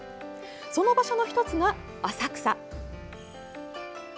その場所の１つが浅草。